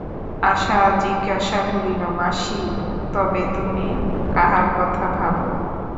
আশা জিজ্ঞাসা করিল, মাসি, তবে তুমি কাহার কথা ভাব।